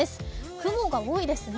雲が多いですね。